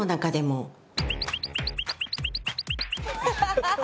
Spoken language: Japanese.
ハハハハハ！